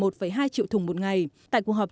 một mươi một hai triệu thùng một ngày tại cuộc họp